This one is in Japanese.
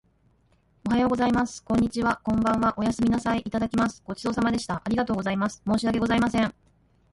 おはようございます。こんにちは。こんばんは。おやすみなさい。いただきます。ごちそうさまでした。ありがとうございます。申し訳ございません。